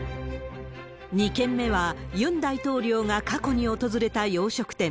２軒目は、ユン大統領が過去に訪れた洋食店。